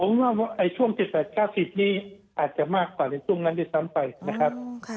ผมว่าช่วง๗๙๐นี้อาจจะมากกว่าในช่วงนั้นด้วยซ้ำไปนะครับ